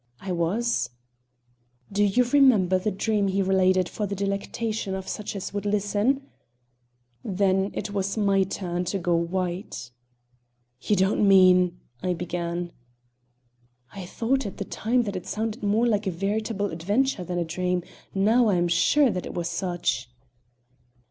"I was." "Do you remember the dream he related for the delectation of such as would listen?" Then it was my turn to go white. "You don't mean " I began. "I thought at the time that it sounded more like a veritable adventure than a dream; now I am sure that it was such."